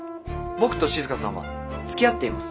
僕と静さんはつきあっています。